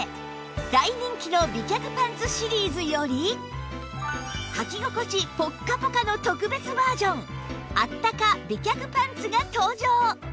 大人気の美脚パンツシリーズよりはき心地ポッカポカの特別バージョンあったか美脚パンツが登場！